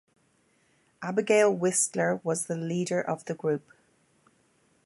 Abigail Whistler was the leader of the group.